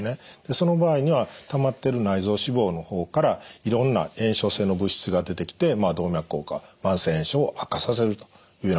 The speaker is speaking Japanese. その場合にはたまってる内臓脂肪の方からいろんな炎症性の物質が出てきてまあ動脈硬化慢性炎症を悪化させるというようなことになります。